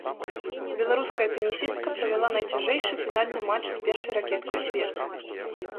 Беларуская тэнісістка правяла найцяжэйшы фінальны матч з першай ракеткай свету.